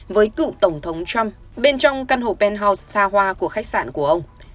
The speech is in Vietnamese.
với cựu tổng thống trump bên trong căn hộ penthouse xa hoa của khách sạn của ông